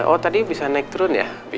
oh tadi bisa naik turun ya